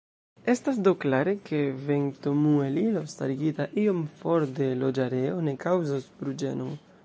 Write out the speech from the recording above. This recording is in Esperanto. Estas do klare, ke ventomuelilo starigita iom for de loĝareo ne kaŭzos bruĝenon.